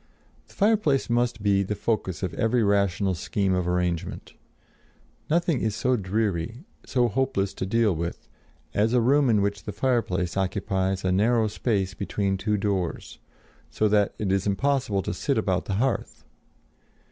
The fireplace must be the focus of every rational scheme of arrangement. Nothing is so dreary, so hopeless to deal with, as a room in which the fireplace occupies a narrow space between two doors, so that it is impossible to sit about the hearth.